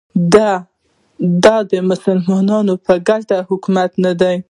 دا د مسلمانانو په ګټه حکومت نه دی